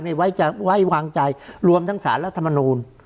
ไว้วางใจรวมทั้งสารรัฐมนูล